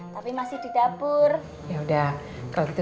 tapi masih di dapur ya udah kalau gitu